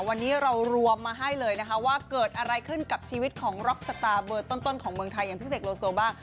วันนี้เรารวมมาให้เลยนะคะว่าเกิดอะไรขึ้นกับชีวิตของร็อกสตาร์เบอร์ต้นของเมืองไทยอย่างพี่เสกโลโซบ้าง